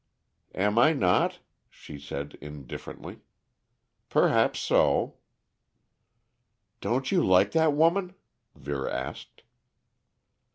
"Am I not?" she said indifferently. "Perhaps so." "Don't you like that woman?" Vera asked.